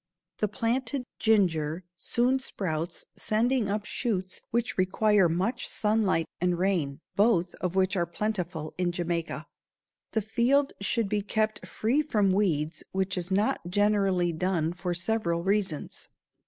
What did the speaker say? The planted ginger soon sprouts, sending up shoots which require much sunlight and rain, both of which are plentiful in Jamaica. The field should be kept free from weeds which is not generally done for several reasons.